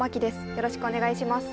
よろしくお願いします